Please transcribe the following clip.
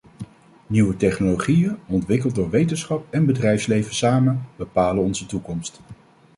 Nieuwe technologieën, ontwikkeld door wetenschap en bedrijfsleven samen, bepalen onze toekomst.